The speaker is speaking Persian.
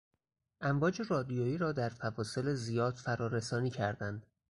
امواج رادیویی را در فواصل زیاد فرا رسانی کردند.